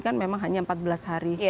kan memang hanya empat belas hari